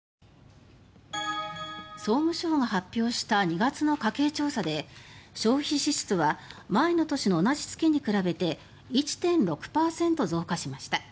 総務省が発表した２月の家計調査で消費支出は前の年の同じ月と比べて１．６％増加しました。